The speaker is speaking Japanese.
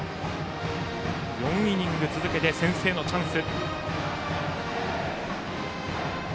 ４イニング続けて先制のチャンス。